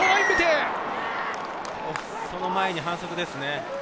押す前に反則ですね。